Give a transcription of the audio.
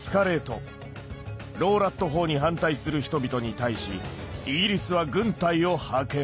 ローラット法に反対する人々に対しイギリスは軍隊を派遣。